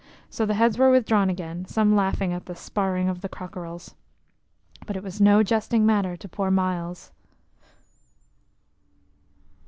So the heads were withdrawn again, some laughing at the "sparring of the cockerels." But it was no jesting matter to poor Myles.